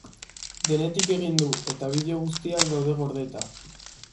Denetik egin du, eta bideo guztiak daude gordeta.